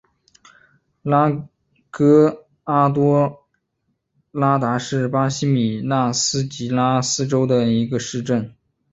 拉戈阿多拉达是巴西米纳斯吉拉斯州的一个市镇。